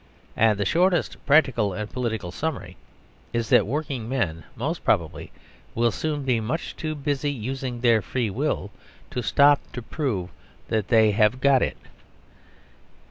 And the shortest practical and political summary is that working men, most probably, will soon be much too busy using their Free Will to stop to prove that they have got it.